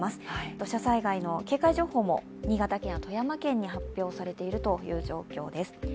土砂災害の警戒情報も新潟県や富山県に発表されているという状況です。